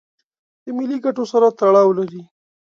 د ملي ګټو سره تړاو لري.